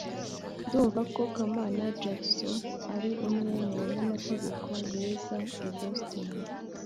ndumva ko kamana jackson ari umwe mu banyamategeko beza i boston